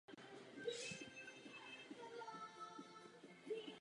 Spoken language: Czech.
Obecně řečeno se jedná o výměnu informací.